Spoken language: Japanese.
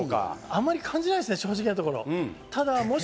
あまり感じないですね、正直なところ。